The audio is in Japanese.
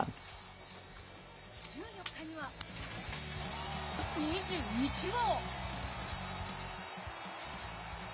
１４日には２１号。